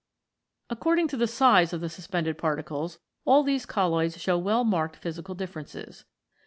According to the size of the suspended particles, all these colloids show well marked physical differences.